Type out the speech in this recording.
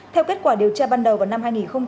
theo kết quả điều tra ban đầu vào năm hai nghìn một mươi